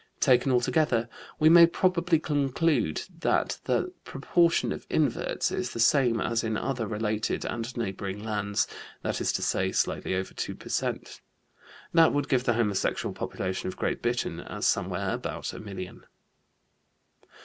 Taken altogether we may probably conclude that the proportion of inverts is the same as in other related and neighboring lands, that is to say, slightly over 2 per cent. That would give the homosexual population of Great Britain as somewhere about a million.